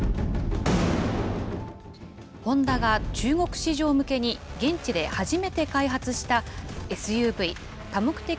ホンダが中国市場向けに現地で初めて開発したＳＵＶ・多目的